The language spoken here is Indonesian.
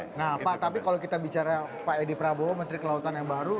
nah pak tapi kalau kita bicara pak edi prabowo menteri kelautan yang baru